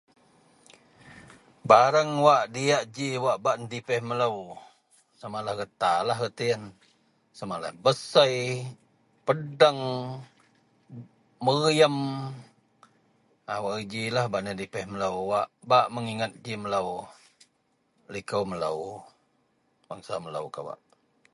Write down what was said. Bareang wak diyak ji wak bak nedipeh melo sama lah harta lah reti iyen sama lah besei pedeang meriyem wak geji lah bak nedipeh melo bak menginget ji melo liko melo bangsa melo kawak.